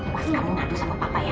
pas kamu ngadu sama papa ya